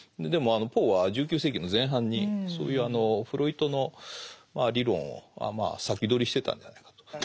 でもポーは１９世紀の前半にそういうフロイトの理論を先取りしてたんじゃないかと。